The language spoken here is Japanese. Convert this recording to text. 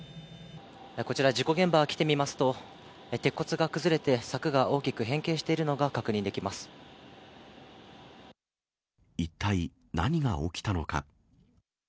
こちら、事故現場に来てみますと、鉄骨が崩れて、柵が大きく変形している一体、何が起きたのか。